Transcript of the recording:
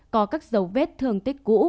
có các dấu vết thương tích cũ